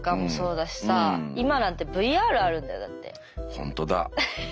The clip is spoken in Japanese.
ほんとだ。